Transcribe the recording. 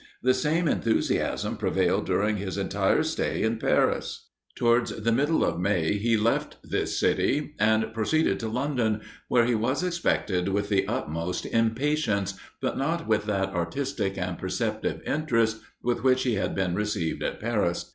The same enthusiasm prevailed during his entire stay in Paris. Towards the middle of May he left this city, and proceeded to London, where he was expected with the utmost impatience, but not with that artistic and perceptive interest with which he had been received at Paris.